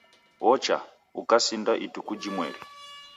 Wocha, ukasinda ituku jhimweri